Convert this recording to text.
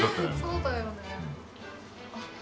そうだよね。